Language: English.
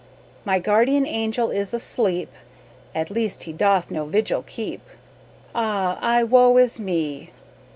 My gardian angel is asleep At leest he doth no vigil keep Ah! woe is me!